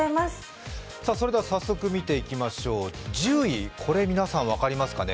早速見ていきましょう、１０位これ、皆さん分かりますかね。